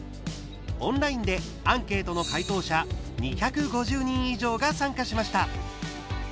オンラインでアンケートの回答者２５０人以上が参加しました。